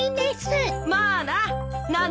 まあな。